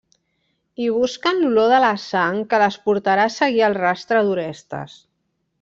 I busquen l'olor de la sang que les portarà a seguir el rastre d'Orestes.